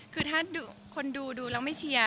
คือถ้าคนดูดูแล้วไม่เชียร์